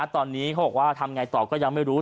ตอนนี้เขาบอกว่าทำไงต่อก็ยังไม่รู้